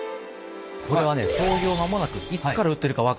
これはね創業まもなくいつから売ってるか分からない